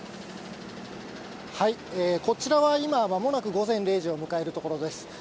こちらは今、まもなく午前０時を迎えるところです。